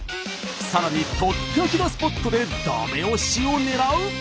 さらにとっておきのスポットで駄目押しを狙う。